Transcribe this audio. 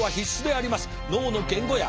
脳の言語野